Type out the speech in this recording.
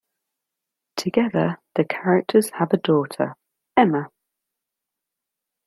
Together, the characters have a daughter, Emma.